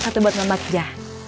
satu buat mang bagja